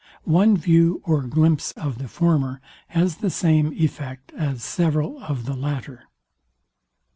One view or glimpse of the former, has the same effect as several of the latter.